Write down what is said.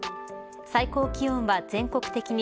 最高気温は全国的に